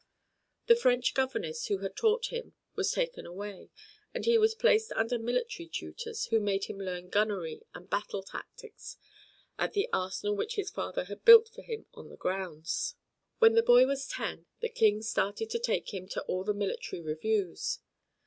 The French governess who had taught him was taken away, and he was placed under military tutors who made him learn gunnery and battle tactics at the arsenal which his father had built for him on the grounds. When the boy was ten the King started to take him to all the military reviews.